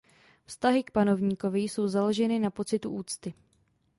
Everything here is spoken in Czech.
Vztahy k panovníkovi jsou založeny na pocitu úcty.